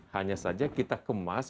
hanya saja kita kemas